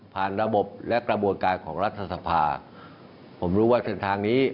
ระบบและกระบวนการของรัฐสภาผมรู้ว่าเส้นทางนี้